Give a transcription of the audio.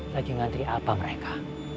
lagi ngantri apa mereka